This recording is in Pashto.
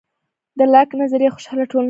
د لاک نظریه خوشحاله ټولنه جوړوي.